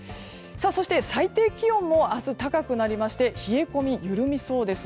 そして最低気温も明日、高くなりまして冷え込み緩みそうです。